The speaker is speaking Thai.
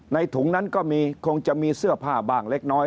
ถุงนั้นก็มีคงจะมีเสื้อผ้าบ้างเล็กน้อย